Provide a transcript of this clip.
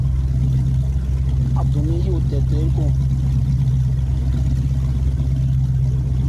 Wo lo wo ewú lephan.